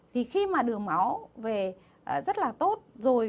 thì khi mà đường máu về rất là tốt rồi